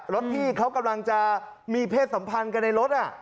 รถที่เขากำลังจะมีเพศสัมพันธ์กันในรถ